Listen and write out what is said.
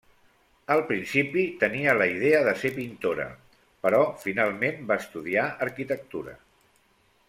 Al principi tenia la idea de ser pintora, però finalment va estudiar arquitectura.